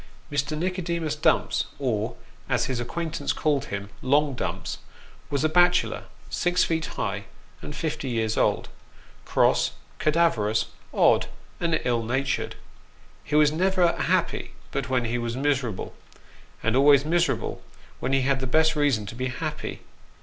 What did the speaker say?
MB. NICODEMUS DUMPS, or, as his acquaintance called him, " long Dumps," was a bachelor, six feet high, and fifty years old: cross, cadaverous, odd, and ill natured. He was never happy but when he was miserable ; and always miserable when he had the best reason to be happy.